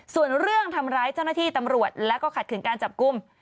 ส่วนเรื่องทำร้ายเจ้าหน้าที่ตำรวจและก็ขัดขืนการจับกลุ่ม